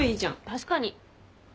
確かに。